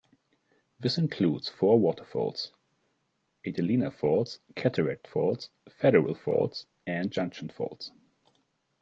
This includes four waterfalls: Adelina Falls, Cataract Falls, Federal Falls and Junction Falls.